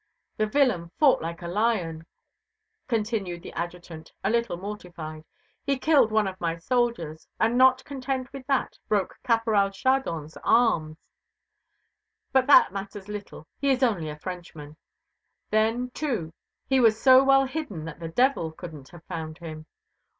"The villain fought like a lion," continued the Adjutant, a little mortified. "He killed one of my soldiers, and not content with that, broke Caporal Chardon's arm; but that matters little, he is only a Frenchman. Then, too, he was so well hidden that the devil couldn't have found him.